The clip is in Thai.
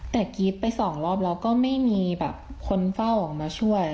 แต่กรี๊ดไปสองรอบแล้วก็ไม่มีแบบคนเฝ้าออกมาช่วย